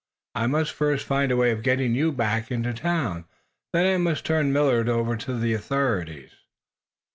I must first find a way of getting you back into town. Then I must turn Millard over to the authorities."